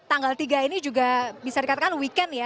tanggal tiga ini juga bisa dikatakan weekend ya